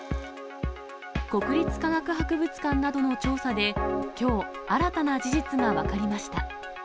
国立科学博物館などの調査で、きょう、新たな事実が分かりました。